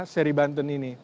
seri bantun ini